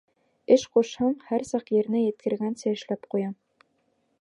Эш ҡушһаң, һәр саҡ еренә еткергәнсә эшләп ҡуя.